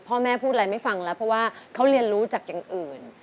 พ่อแม่พูดอะไรไม่ฟังแล้วเพราะว่าเขาเรียนรู้จากอย่างอื่น